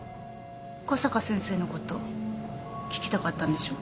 小坂先生のこと聞きたかったんでしょ？